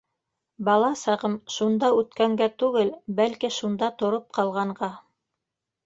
Бала сағым шунда үткәнгә түгел, бәлки шунда тороп ҡалғанға.